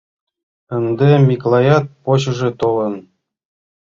Ынде Миклаят почешыже толын.